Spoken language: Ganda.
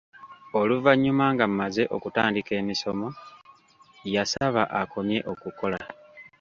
Oluvannyuma nga mmaze okutandika emisomo, yasaba akomye okukola.